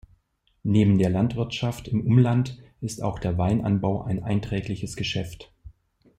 Neben der Landwirtschaft im Umland ist auch der Weinanbau ein einträgliches Geschäft.